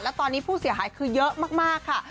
และตอนนี้ผู้เสียหายคือเยอะมากค่ะ